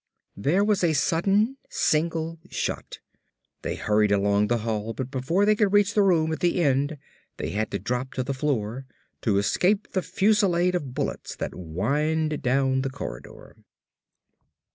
There was a sudden, single shot. They hurried along the hall but before they could reach the room at the end they had to drop to the floor to escape the fusillade of bullets that whined down the corridor.